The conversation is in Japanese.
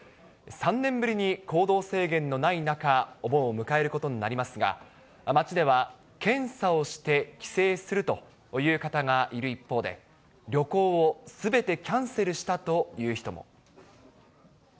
３年ぶりに行動制限のない中、お盆を迎えることになりますが、街では検査をして帰省するという方がいる一方で、旅行をすべてキャンセルしたという人も。